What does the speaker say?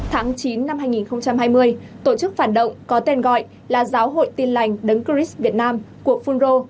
tháng chín năm hai nghìn hai mươi tổ chức phản động có tên gọi là giáo hội tin lành đấng cris việt nam của phunro